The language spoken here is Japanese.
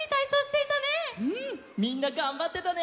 みんながんばってたね。